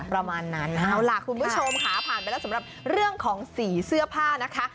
ประมาณนั้นเอาล่ะคุณผู้ชมค่ะผ่านไปแล้วสำหรับเรื่องของสีเสื้อผ้านะคะ